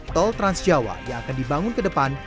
tol transjawa yang akan dibangun ke depan